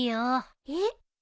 えっ？